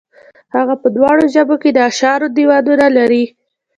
هغه په دواړو ژبو کې د اشعارو دېوانونه لري.